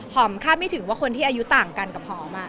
คาดไม่ถึงว่าคนที่อายุต่างกันกับหอม